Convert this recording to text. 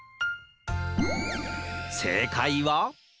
せいかいは？